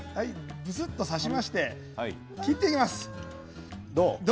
ぶすっと刺しまして切っていきます。